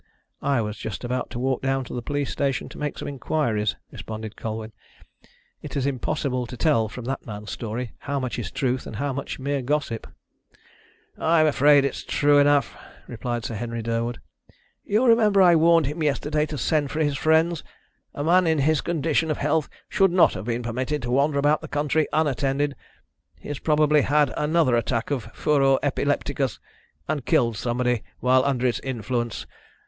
"I was just about to walk down to the police station to make some inquiries," responded Colwyn. "It is impossible to tell from that man's story how much is truth and how much mere gossip." "I'm afraid it's true enough," replied Sir Henry Durwood. "You'll remember I warned him yesterday to send for his friends. A man in his condition of health should not have been permitted to wander about the country unattended. He has probably had another attack of furor epilepticus, and killed somebody while under its influence.